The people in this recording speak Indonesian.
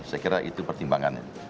saya kira itu pertimbangannya